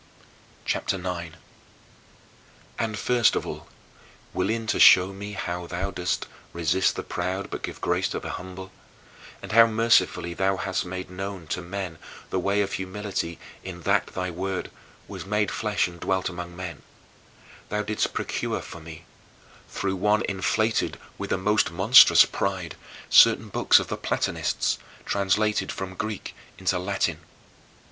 CHAPTER IX 13. And first of all, willing to show me how thou dost "resist the proud, but give grace to the humble," and how mercifully thou hast made known to men the way of humility in that thy Word "was made flesh and dwelt among men," thou didst procure for me, through one inflated with the most monstrous pride, certain books of the Platonists, translated from Greek into Latin.